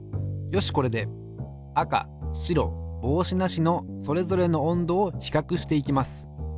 よしこれで赤白帽子なしのそれぞれの温度をひかくしていきます。